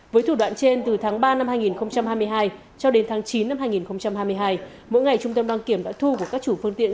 với thủ đoạn trên từ tháng ba năm hai nghìn hai mươi hai cho đến tháng chín năm hai nghìn hai mươi hai mỗi ngày trung tâm đăng kiểm đã thu của các chủ phương tiện